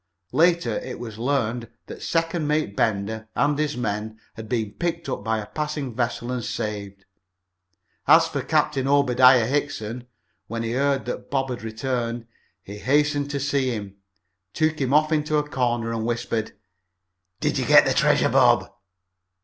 Later it was learned that Second Mate Bender and his men had been picked up by a passing vessel and saved. As for Captain Obediah Hickson, when he heard that Bob had returned, he hastened to see him, took him off into a corner and whispered: "Did ye git th' treasure, Bob?"